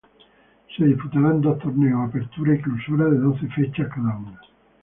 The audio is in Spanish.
Se disputarán dos torneos, apertura y clausura de doce fechas cada uno.